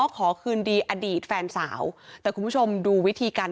ขอคืนดีอดีตแฟนสาวแต่คุณผู้ชมดูวิธีการ